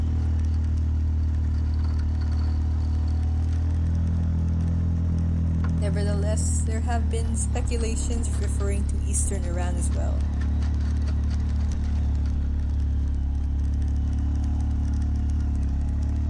Nevertheless, there have been speculations referring to eastern Iran as well.